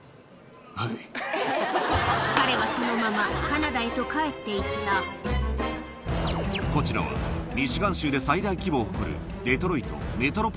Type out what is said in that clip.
彼はそのままカナダへと帰って行ったこちらはミシガン州で最大規模を誇る